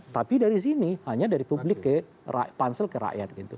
tapi dari sini hanya dari publik ke pansel ke rakyat gitu